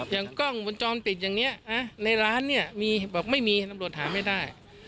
อย่างกล้องวงจรปิดอย่างนี้ในร้านเนี่ยมีบอกไม่มีตำรวจถามไม่ได้